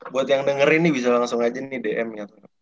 buat yang dengerin ini bisa langsung aja nih dm nya tuh